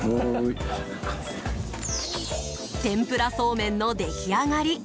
天ぷらそうめんの出来上がり。